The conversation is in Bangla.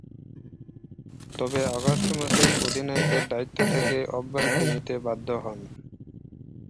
তবে, আগস্ট মাসেই অধিনায়কের দায়িত্ব থেকে অব্যাহতি নিতে বাধ্য হন।